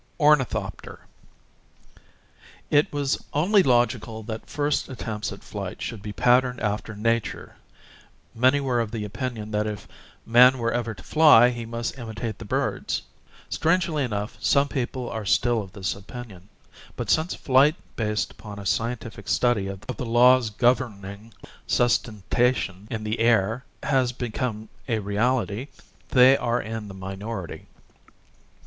Ornithopter. It was only logical that first attempts at flight should be patterned after nature â€" many were of the opinion that if man were ever to fly he must imitate the birds. Strangely enough, some people are still of this opinion, but since flight based upon a scientific study of the laws governing sus tentation in the air has become a reality, they are in the minority.